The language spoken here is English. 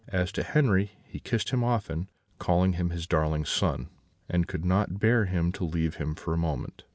As to Henri, he kissed him often, called him his darling son, and could not bear him to leave him for a moment.